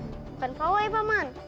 bukan pawai pak man